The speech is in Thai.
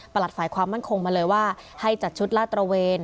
ฝ่ายความมั่นคงมาเลยว่าให้จัดชุดลาดตระเวน